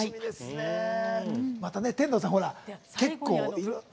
また、天童さん結構。